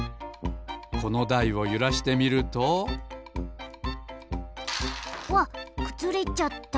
このだいをゆらしてみるとわっくずれちゃった。